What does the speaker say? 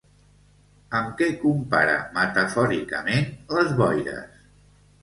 Amb què compara metafòricament les boires?